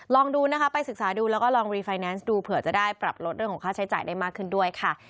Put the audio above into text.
ช่วงนี้ก็กลับไปที่คุณมินทร์ค่ะ